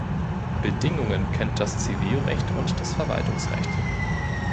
Bedingungen kennt das Zivilrecht und das Verwaltungsrecht.